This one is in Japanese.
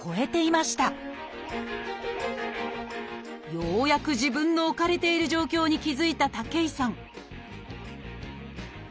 ようやく自分の置かれている状況に気付いた武井さん